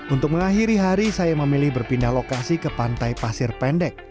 untuk mengakhiri hari saya memilih berpindah lokasi ke pantai pasir pendek